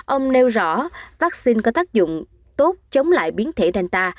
ông nêu rõ vaccine có tác dụng tốt chống lại biến thể danta